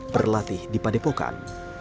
berlatih di padepokan